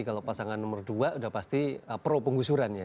kalau pasangan nomor dua sudah pasti pro penggusurannya